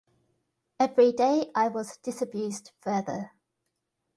Everyday I was disabused further.